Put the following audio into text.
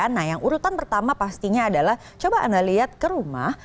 nah yang urutan pertama pastinya adalah coba anda lihat ke rumah